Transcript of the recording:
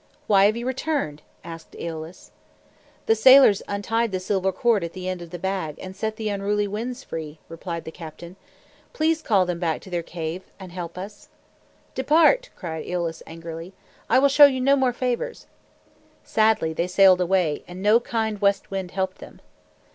"Why have you returned?" asked Eolus. "The sailors untied the silver cord at the end of the bag and set the unruly Winds free," replied the captain. "Please call them back to their caves and help us." "Depart!" cried Eolus angrily. "I will show you no more favors." Sadly they sailed away, and no kind West Wind helped them.